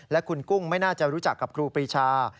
และคุณกุ้งไม่น่าจะรู้จักกับครูปรีชา